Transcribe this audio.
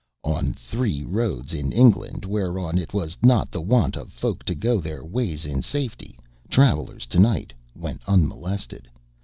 On three roads in England whereon it was not the wont of folk to go their ways in safety, travellers tonight went unmolested.